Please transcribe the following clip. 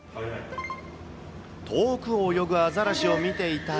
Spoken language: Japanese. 遠くを泳ぐアザラシを見ていたら。